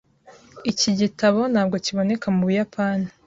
Iki gitabo ntabwo kiboneka mu Buyapani .